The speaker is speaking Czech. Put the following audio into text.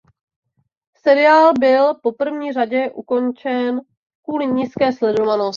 Seriál byl po první řadě ukončen kvůli nízké sledovanosti.